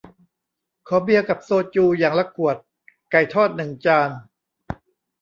ขอเบียร์กับโซจู อย่างละขวด ไก่ทอดหนึ่งจาน